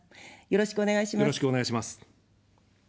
よろしくお願いします。